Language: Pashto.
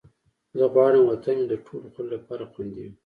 زه غواړم وطن مې د ټولو خلکو لپاره خوندي وي.